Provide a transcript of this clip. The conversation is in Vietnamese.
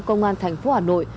công an thành phố hà nội